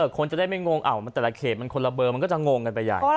คนจะได้ไม่งงมันแต่ละเขตมันคนละเบอร์มันก็จะงงกันไปใหญ่